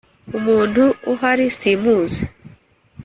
Umuntu uhari simuzi.